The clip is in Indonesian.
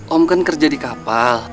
om kan kerja di kapal